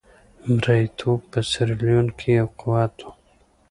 مریتوب په سیریلیون کې یو قوت وو.